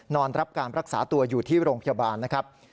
นอนรับการรักษาตัวอยู่ที่โรงพยาบาลนะครับ